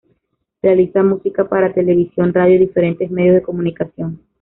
Realiza música para televisión, radio y diferentes medios de comunicación.